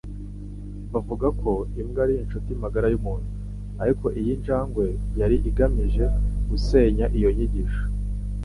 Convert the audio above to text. Bavuga ko imbwa ari inshuti magara yumuntu, ariko iyi njangwe yari igamije gusenya iyo nyigisho.